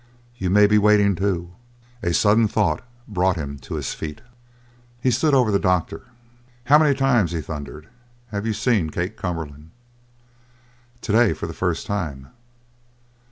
You may be waiting, too!" A sudden thought brought him to his feet. He stood over the doctor. "How many times," he thundered, "have you seen Kate Cumberland?" "To day, for the first time."